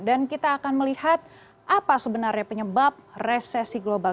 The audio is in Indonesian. dan kita akan melihat apa sebenarnya penyebab resesi global